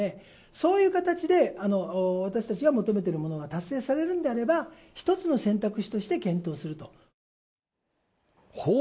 そういう形で私たちが求めているものが達成されるんであれば、一つの選択肢として検討すると。